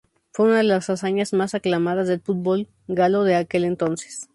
Fue una de las hazañas más aclamadas del fútbol galo de aquel entonces.